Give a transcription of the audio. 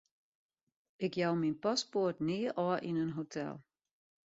Ik jou myn paspoart nea ôf yn in hotel.